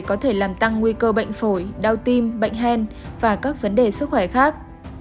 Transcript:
có thể làm tăng nguy cơ bệnh phổi đau tim bệnh hen và các vấn đề sức khỏe khác